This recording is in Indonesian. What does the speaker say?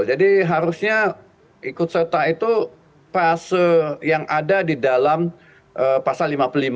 jadi harusnya ikut serta itu yang ada di dalam pasal lima puluh lima